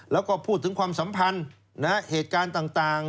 แล้วก็พูดถึงความสัมพันธ์เหตุการณ์ต่าง